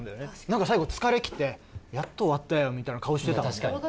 なんか最後疲れきってやっと終わったよみたいな顔してたもんね